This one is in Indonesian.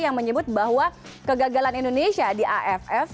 yang menyebut bahwa kegagalan indonesia di aff